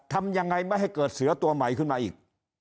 ทำยังไงไม่ให้เกิดเสือตัวใหม่ขึ้นมาอีก